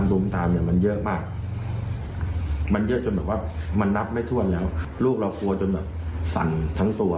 มันเยอะมากมันเยอะมันเยอะจริง